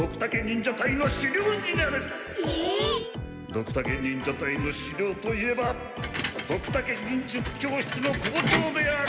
ドクタケ忍者隊の首領といえばドクタケ忍術教室の校長である。